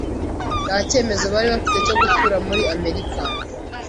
ntacyemezo bari bafite cyo gutura muri Amerika.